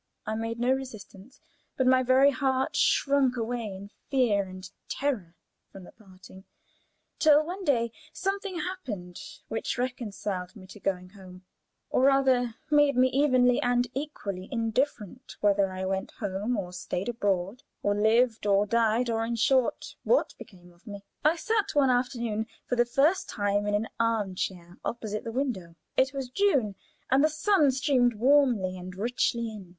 I made no resistance, but my very heart shrunk away in fear and terror from the parting, till one day something happened which reconciled me to going home, or rather made me evenly and equally indifferent whether I went home, or stayed abroad, or lived, or died, or, in short, what became of me. I sat one afternoon for the first time in an arm chair opposite the window. It was June, and the sun streamed warmly and richly in.